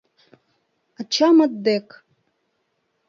Ачамыт дек...